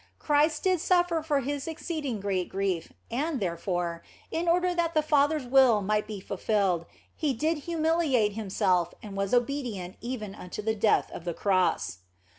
Christ did suffer for His exceeding great grief, and therefore, in order that the Father s will might be fulfilled, He did humiliate Him self and was obedient even unto the death of the Cross.